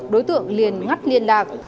đối tượng liền ngắt liên lạc